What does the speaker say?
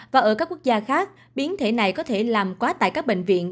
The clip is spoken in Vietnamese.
và ở các quốc gia khác biến thể này có thể làm quá tại các bệnh viện